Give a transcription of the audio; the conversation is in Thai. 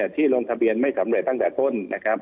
ที่ลงทะเบียนไม่สำเร็จตั้งแต่ต้นนะครับ